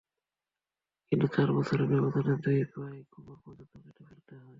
কিন্তু চার বছরের ব্যবধানে দুই পা-ই কোমর পর্যন্ত কেটে ফেলতে হয়।